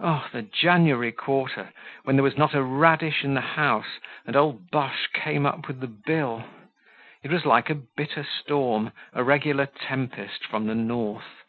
Oh! the January quarter, when there was not a radish in the house and old Boche came up with the bill! It was like a bitter storm, a regular tempest from the north.